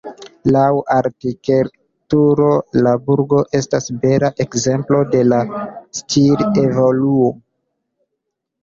Laŭ arkitekturo la burgo estas bela ekzemplo de la stil-evoluo.